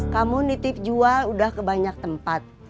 kamu nitip jual udah ke banyak tempat